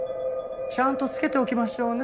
ちゃんとつけておきましょうね。